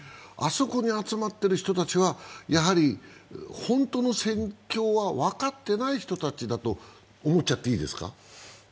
あそこに集まっている人たちは本当の戦況は分かっていない人たちだと思ッ茶って井伊手すか。